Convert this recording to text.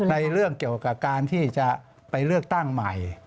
ในเรื่องเกี่ยวกับการที่จะไปเลือกตั้งใหม่